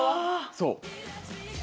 そう。